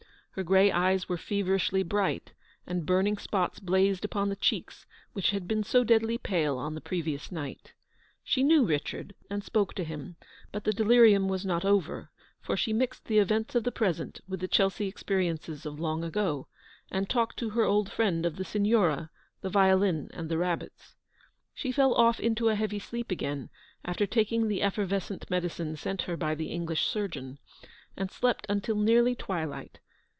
Her grey eyes were feverishly bright, and burning spots blazed upon the cheeks which had been so deadly pale on the previous night. She knew Richard, and spoke to him ; but the delirium was not over, for she mixed the events of the present with the Chelsea experiences of long ago, and talked to her old friend of the Signora, the violin, and the rabbits. She fell off into a heavy sleep again, after taking the effervescent medicine sent her by the English surgeon, and slept until nearly twilight.